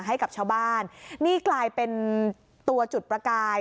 ให้กับชาวบ้านนี่กลายเป็นตัวจุดประกาย